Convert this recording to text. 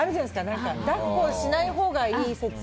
抱っこしないほうがいい説。